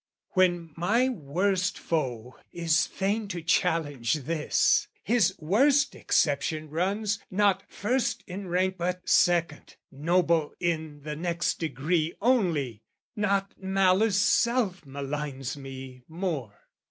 When my worst foe is fain to challenge this, His worst exception runs not first in rank But second, noble in the next degree Only; not malice 'self maligns me more.